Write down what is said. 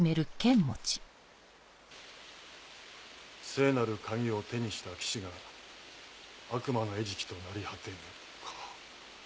「聖なる鍵を手にした騎士が悪魔の餌食と成り果てぬ」か。